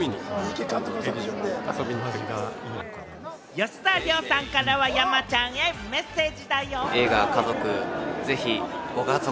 吉沢亮さんからは山ちゃんへメッセージだよ。